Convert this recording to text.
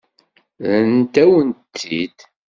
Rrant-awen-tt-id.